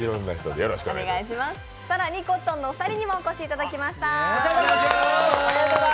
更にコットンのお二人にもお越しいただきました。